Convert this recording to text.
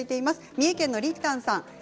三重県の方からです。